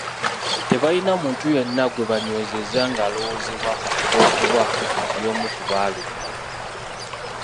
Tebalina muntu yenna gwe banywezezza ng’alowoozebwa okuba nti y’omu ku baalumba.